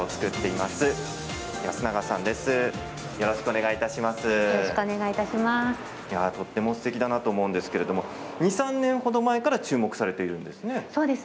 いや、とってもすてきだなと思うんですけれども２、３年ほど前から注目されているんですね。